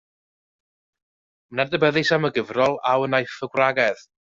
Mae'n adnabyddus am y gyfrol A Wnaiff y Gwragedd...?